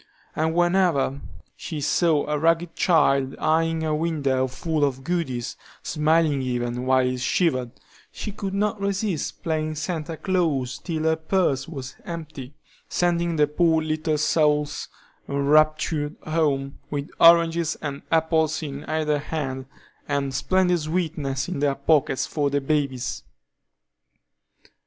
And whenever she saw a ragged child eying a window full of goodies, smiling even, while it shivered, she could not resist playing Santa Claus till her purse was empty, sending the poor little souls enraptured home with oranges and apples in either hand, and splendid sweeties in their pockets, for the babies.